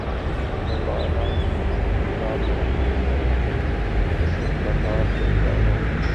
پیمان ء ناموری ہے، اسی امتحاں پہ یارو